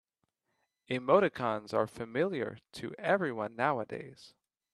Emoticons are familiar to everyone nowadays.